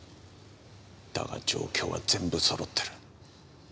だが状況は全部揃ってる。